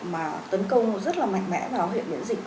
mà tấn công rất là mạnh mẽ vào hệ miễn dịch